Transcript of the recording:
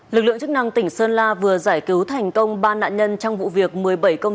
lực lượng chức năng tỉnh sơn la vừa giải cứu thành công ba nạn nhân trong vụ việc một mươi bảy công